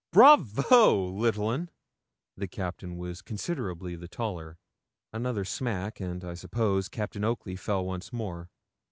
'Brayvo, little un!' The Captain was considerably the taller. Another smack, and, I suppose, Captain Oakley fell once more.